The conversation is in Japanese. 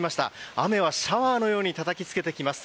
雨はシャワーのようにたたきつけてきます。